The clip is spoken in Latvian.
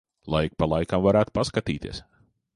Lai ik pa laikam varētu paskatīties.